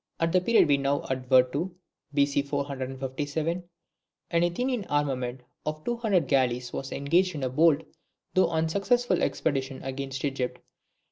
At the period we now advert to (B.C. 457), an Athenian armament of two hundred galleys was engaged in a bold though unsuccessful expedition against Egypt.